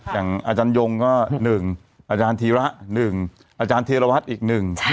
อย่างอาจารย์ยงก็หนึ่งอาจารย์ธีระหนึ่งอาจารย์ธีระวัฒน์อีกหนึ่ง